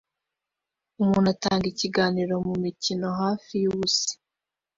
Umuntu atanga ikiganiro mumikino hafi yubusa